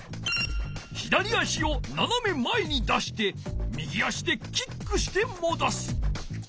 左足をななめまえに出して右足でキックしてもどす。